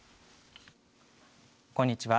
こんにちは。